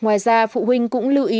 ngoài ra phụ huynh cũng lưu ý